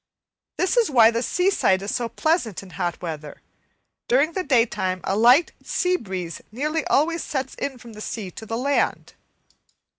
This is why the seaside is so pleasant in hot weather. During the daytime a light sea breeze nearly always sets in from the sea to the land.